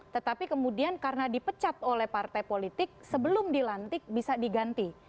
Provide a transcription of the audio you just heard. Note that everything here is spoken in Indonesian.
tetapi kemudian karena dipecat oleh partai politik sebelum dilantik bisa diganti